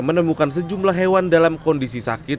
menemukan sejumlah hewan dalam kondisi sakit